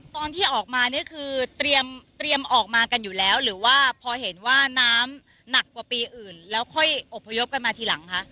ตอนที่ออกมาเนี่ยคือเตรียมออกมากันอยู่แล้วหรือว่าพอเห็นว่าน้ำหนักกว่าปีอื่นแล้วค่อยอบพยพกันมาทีหลังคะ